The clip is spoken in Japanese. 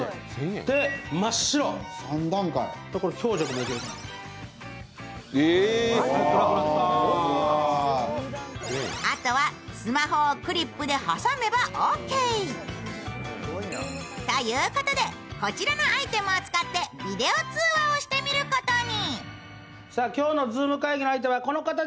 で、真っ白、強弱もいける。ということで、こちらのアイテムを使ってビデオ通話をしてみることに。